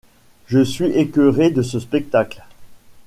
Je suis écœuré de ce spectacle.